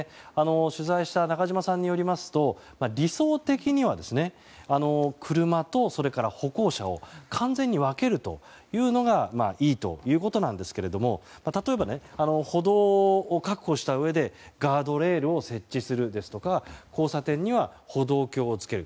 取材した中島さんによりますと理想的には、車と歩行者を完全に分けるというのがいいということなんですが例えば、歩道を確保したうえでガードレールを設置するですとか交差点には歩道橋をつける。